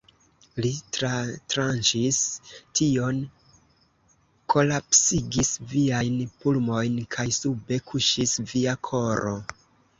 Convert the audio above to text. Li tratranĉis tion, kolapsigis viajn pulmojn, kaj sube kuŝis via koro!